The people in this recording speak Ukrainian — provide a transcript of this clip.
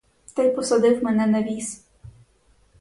Та й посадив мене на віз.